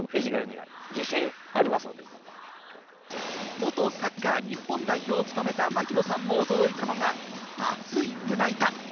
元サッカー日本代表を務めた槙野さんも驚いたのが、厚い胸板。